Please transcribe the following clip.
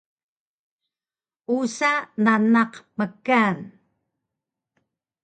usa nanaq mkan!